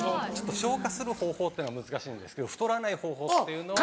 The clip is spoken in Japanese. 消化する方法っていうのは難しいんですけど太らない方法っていうのは。